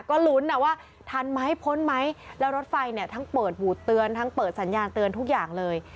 ก็ลุ้นนะว่าทันไหมพ้นไหมแล้วรถไฟเนี่ยทั้งเปิดบูดเตือนทั้งเปิดสัญญาณเตือนทุกอย่างเลย